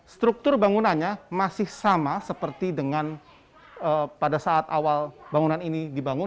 struktur bangunannya masih sama seperti dengan pada saat awal bangunan ini dibangun